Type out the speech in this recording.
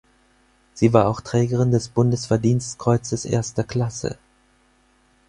Sie war auch Trägerin des Bundesverdienstkreuzes "Erster Klasse".